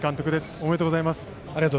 ありがとうございます。